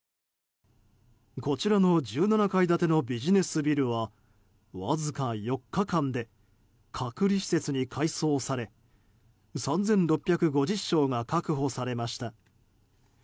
こちらの１７階建てのビジネスビルは、わずか４日間で隔離施設に改装され３６５０床が確保されました。